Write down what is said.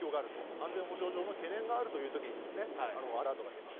安全保障上の懸念がある時にアラートが出ます。